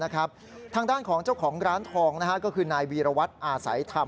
ทางด้านของเจ้าของร้านทองก็คือนายวีรวัตรอาศัยธรรม